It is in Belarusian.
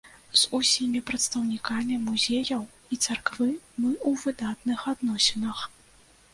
З усімі прадстаўнікамі музеяў і царквы мы ў выдатных адносінах.